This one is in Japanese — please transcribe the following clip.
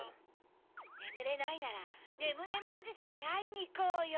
ねむれないならねむねむおじさんにあいにいこうよ。